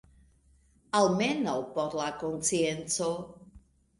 Almenaŭ por la konscienco.